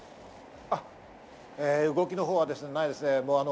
動きの方はないですね。